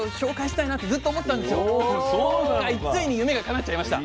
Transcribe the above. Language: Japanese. はいついに夢がかなっちゃいました。